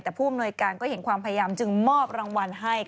แต่ผู้อำนวยการก็เห็นความพยายามจึงมอบรางวัลให้